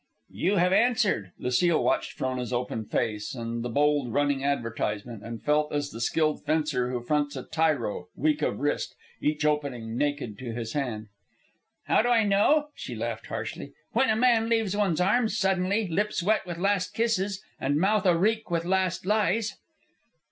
"You have answered." Lucile watched Frona's open face and the bold running advertisement, and felt as the skilled fencer who fronts a tyro, weak of wrist, each opening naked to his hand. "How do I know?" She laughed harshly. "When a man leaves one's arms suddenly, lips wet with last kisses and mouth areek with last lies!"